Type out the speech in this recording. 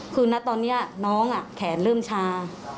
คือณตอนนี้น้องแขนเริ่มชา